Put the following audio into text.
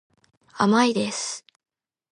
甘いです。